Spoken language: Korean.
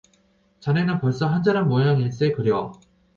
자네는 벌써 한잔한 모양일세그려.